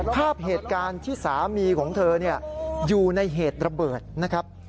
ภาพเหตุการณ์ที่สามีของเธออยู่ในเหตุระเบิดนะครับ